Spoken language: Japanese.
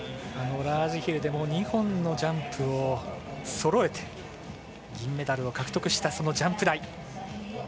ラージヒルでも２本のジャンプをそろえて銀メダルを獲得したジャンプ台。